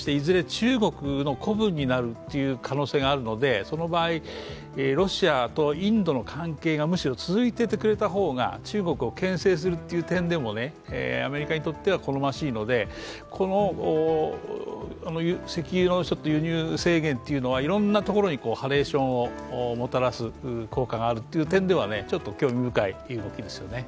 中国の子分になる可能性があるのでその場合、ロシアとインドの関係がむしろ続いていてくれた方が中国をけん制するという点でも、アメリカにとっては好ましいので、石油の輸入制限というのはいろんなところにハレーションをもたらす効果があるという点ではちょっと興味深い動きですよね。